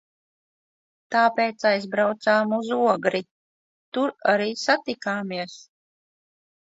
Tāpēc aizbraucām uz Ogri. Tur arī satikāmies.